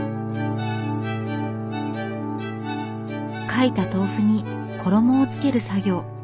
描いた豆腐に衣をつける作業。